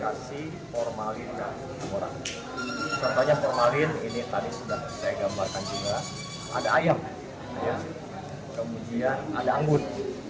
contohnya formalin ini tadi sudah saya gambarkan juga ada ayam kemudian ada anggun